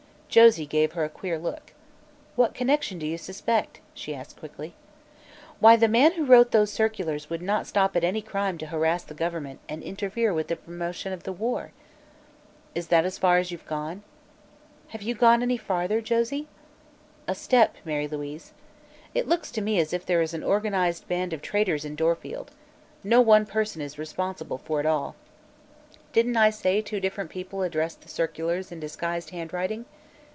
Josie gave her a queer look. "What connection do you suspect?" she asked quickly. "Why, the man who wrote those circulars would not stop at any crime to harass the government and interfere with the promotion of the war." "Is that as far as you've gone?" "Have you gone any farther, Josie?" "A step, Mary Louise. It looks to me as if there is an organized band of traitors in Dorfield. No one person is responsible for it all. Didn't I say two different people addressed the circulars in disguised handwriting?